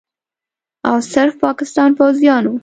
او صرف پاکستان پوځیانو